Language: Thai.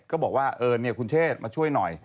ก็บอกว่าคุณเชษมาช่วยหน่อย